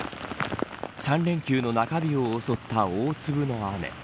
３連休の中日を襲った大粒の雨。